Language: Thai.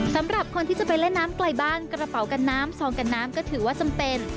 สำหรับคนที่จะไปเล่นน้ำไกลบ้านกระเป๋ากันน้ำซองกันน้ำก็ถือว่าจำเป็น